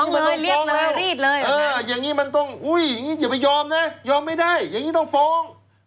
ฟ้องเลยรีดเลยอย่างนี้มันต้องอย่าไปยอมนะยอมไม่ได้อย่างนี้ต้องฟ้อง